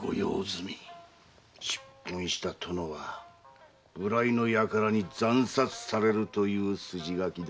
出奔した殿は無頼の輩に惨殺されるという筋書きだ。